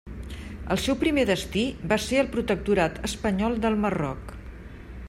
El seu primer destí va ser el protectorat espanyol del Marroc.